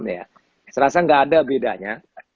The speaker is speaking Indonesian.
saya rasa nggak ada bedanya